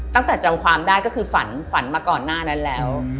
ตั้งแต่จงความได้ก็คือฝันมาก่อนหน้านั้นแล้ว